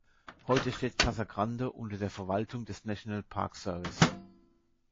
Heute steht Casa Grande unter der Verwaltung des National Park Service.